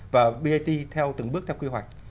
và bat theo từng bước theo quy hoạch